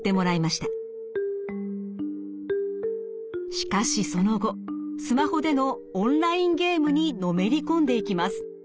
しかしその後スマホでのオンラインゲームにのめり込んでいきます。